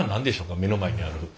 目の前にある。